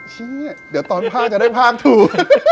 เชื่อเดี๋ยวตอนภาคจะได้ภาคถูก